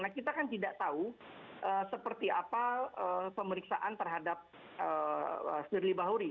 nah kita kan tidak tahu seperti apa pemeriksaan terhadap firly bahuri